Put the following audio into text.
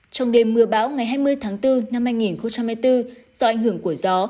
trong đêm mưa bão ngày hai mươi tháng bốn năm hai nghìn hai mươi bốn do ảnh hưởng của gió